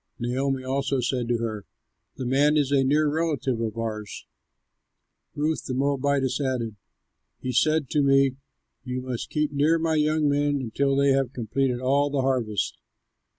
Naomi also said to her, "The man is a near relative of ours." Ruth the Moabitess added, "He said to me, 'You must keep near my young men until they have completed all my harvest.'"